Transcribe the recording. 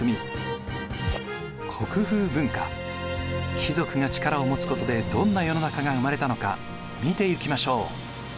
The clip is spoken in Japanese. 貴族が力を持つことでどんな世の中が生まれたのか見ていきましょう。